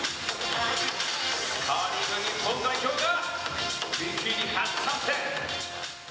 カーリング日本代表が、ビキニに初参戦。